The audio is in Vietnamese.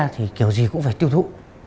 thì kiểu gì cũng phải tiêu thụ